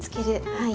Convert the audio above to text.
はい。